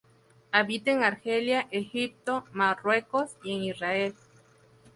Habita en Argelia, Egipto, Marruecos y en Israel.